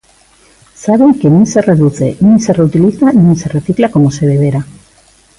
Saben que nin se reduce, nin se reutiliza nin se recicla como se debera.